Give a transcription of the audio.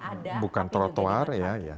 ada bukan trotoar ya